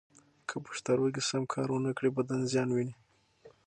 که پښتورګي سم کار و نه کړي، بدن زیان ویني.